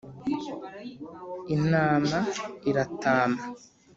intama iratama